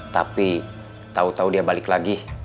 tapi tau tau dia balik lagi